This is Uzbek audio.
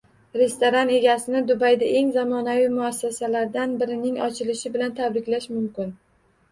Restoran egasini Dubayda eng zamonaviy muassasalardan birining ochilishi bilan tabriklash mumkin